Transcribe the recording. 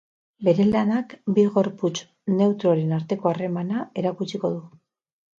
Bere lanak bi gorputz neutroren arteko harremana erakutsiko du.